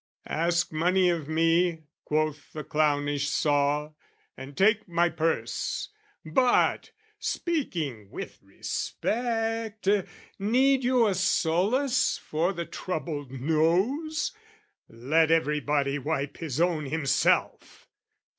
"Ask money of me," quoth the clownish saw, "And take my purse! But, speaking with respect, "Need you a solace for the troubled nose? "Let everybody wipe his own himself!"